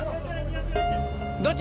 どっち？